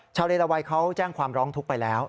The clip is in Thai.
เลลาวัยเขาแจ้งความร้องทุกข์ไปแล้ว